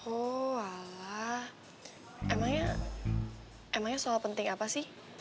oh emangnya emangnya soal penting apa sih